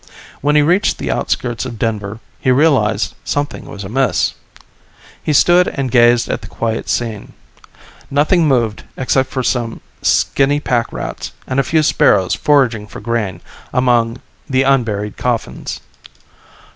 When he reached the outskirts of Denver he realized something was amiss. He stood and gazed at the quiet scene. Nothing moved except some skinny packrats and a few sparrows foraging for grain among the unburied coffins.